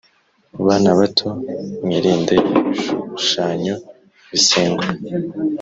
Bana bato, mwirinde ibishushanyo bisengwa.